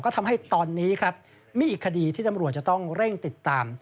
ก็ทำให้ตอนนี้ครับมีอีกคดีที่ตำรวจจะต้องเร่งติดตาม